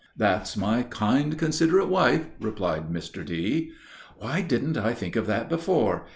"That's my kind, considerate wife," replied Mr. D. "Why didn't I think of that before?